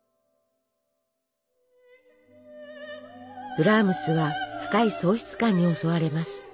ブラームスは深い喪失感に襲われます。